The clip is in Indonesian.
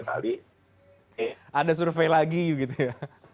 ada survei lagi gitu ya